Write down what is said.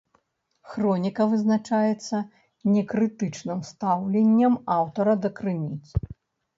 Хроніка вызначаецца некрытычным стаўленнем аўтара да крыніц.